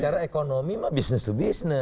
karena ekonomi mah bisnis to bisnis